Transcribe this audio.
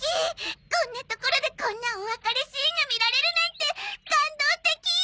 こんな所でこんなお別れシーンが見られるなんて感動的！